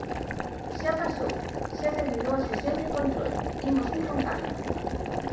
Xa pasou, xa terminou a sesión de control, imos ir con calma.